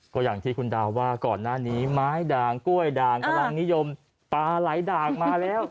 ก็อย่างที่คุณดาวว่าก่อนหน้านี้ไม้ด่างกล้วยด่างกำลังนิยมปลาไหลด่างมาแล้ว